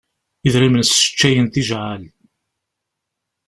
Idrimen sseččayen tijɛal.